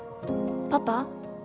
パパ？